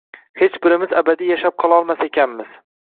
Hech birimiz abadiy yashab qololmas ekanmiz.